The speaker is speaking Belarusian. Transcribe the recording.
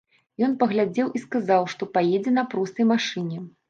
Ён паглядзеў і сказаў, што паедзе на простай машыне.